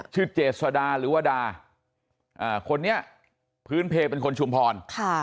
เจษดาหรือว่าดาคนนี้พื้นเพลเป็นคนชุมพร